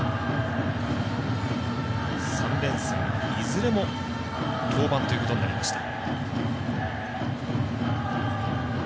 ３連戦、いずれも登板ということになりました。